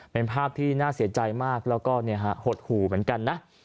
เป็นภาพที่น่าเสียใจมากแล้วก็หดหู่เหมือนกันนะ